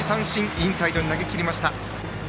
インサイドに投げきりました。